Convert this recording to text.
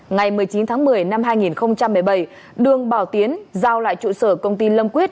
ngày một mươi chín tháng một mươi năm hai nghìn một mươi bảy đường bảo tiến giao lại trụ sở công ty lâm quyết